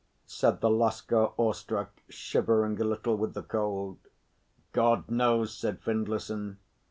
said the Lascar, awe struck, shivering a little with the cold. "God knows!" said Findlayson.